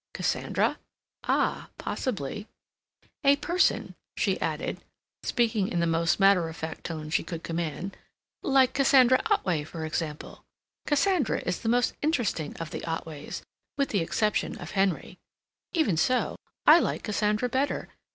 Cassandra? Ah, possibly— "A person," she added, speaking in the most matter of fact tone she could command, "like Cassandra Otway, for instance. Cassandra is the most interesting of the Otways—with the exception of Henry. Even so, I like Cassandra better.